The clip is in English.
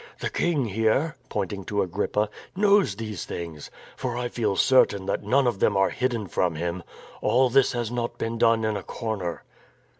The king here," pointing to Agrippa, "knows these things, for I feel certain that none of them are hidden from him. All this has not been done in a corner."